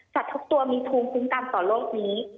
ทุกตัวมีภูมิคุ้มกันต่อโลกนี้